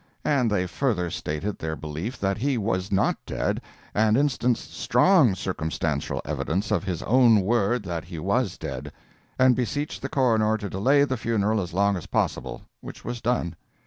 And they further stated their belief that he was not dead, and instanced strong circumstantial evidence of his own word that he was dead—and beseeched the coroner to delay the funeral as long as possible, which was done.